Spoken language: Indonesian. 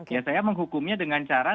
ya saya menghukumnya dengan cara